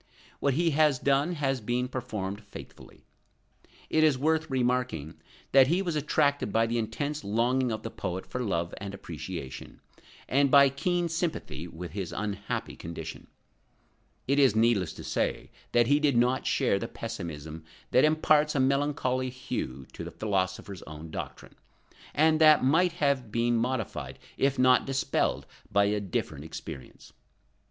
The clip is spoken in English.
What he has done, has been performed faithfully. It is worth remarking that he was attracted by the intense longing of the poet for love and appreciation, and by keen sympathy with his unhappy condition. It is needless to say that he did not share the pessimism that imparts a melancholy hue to the philosopher's own doctrine, and that might have been modified if not dispelled by a different experience.